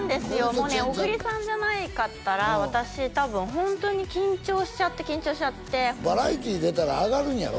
もうね小栗さんじゃなかったら私多分ホントに緊張しちゃって緊張しちゃってバラエティー出たら上がるんやろ？